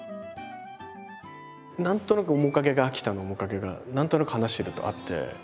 何となく面影が秋田の面影が何となく話してるとあって。